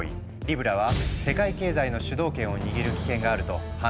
リブラは世界経済の主導権を握る危険があると判断されたんだ。